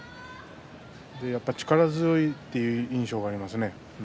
力強いという印象がありますね。